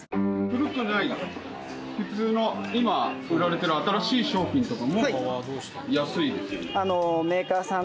古くない普通の今売られてる新しい商品とかも安いですよね。